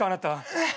えっ！？